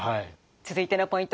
続いてのポイント